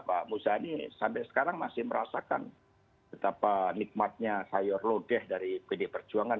pak muzani sampai sekarang masih merasakan betapa nikmatnya sayur lodeh dari pd perjuangan